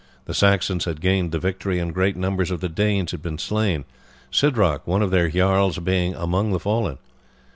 The Saxons had gained the victory, and great numbers of the Danes had been slain, Sidroc, one of their jarls, being among the fallen.